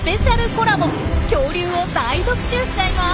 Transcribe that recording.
恐竜を大特集しちゃいます！